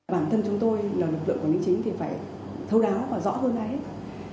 bản thân chúng tôi là lực lượng quản lý chính thì phải thấu đáo và rõ hơn ai hết